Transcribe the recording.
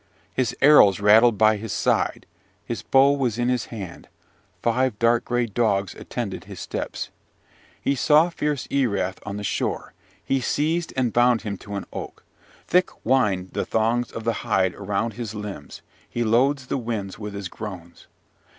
His arrows rattled by his side; his bow was in his hand, five dark gray dogs attended his steps. He saw fierce Erath on the shore; he seized and bound him to an oak. Thick wind the thongs of the hide around his limbs; he loads the winds with his groans.